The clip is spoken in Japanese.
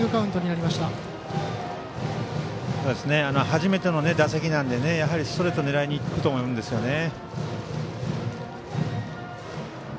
初めての打席なのでストレートを狙いにいくと思うんですよね。